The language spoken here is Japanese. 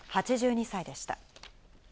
８２歳でした。